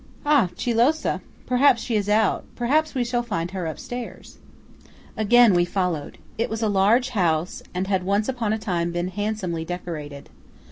"Ah, chi lo sa? Perhaps she is out–perhaps we shall find her upstairs." Again we followed. It was a large house, and had once upon a time been handsomely decorated.